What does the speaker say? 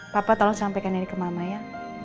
papa tolong sampaikan ini ke mama ya